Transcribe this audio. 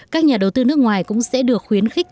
các nhà đầu tư nước ngoài cũng sẽ được khuyến khích